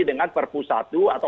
dengan perku satu atau